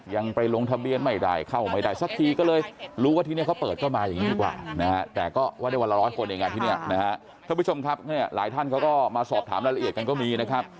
บางคนก็สอบธามรายละเอียดกันก็มี